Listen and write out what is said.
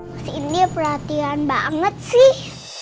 masih ini perhatian banget sih